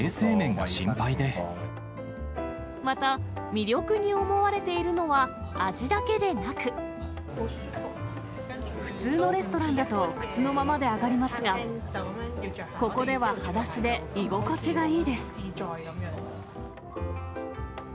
また、魅力に思われているの普通のレストランだと、靴のままで上がりますが、ここでは裸足で居心地がいいです。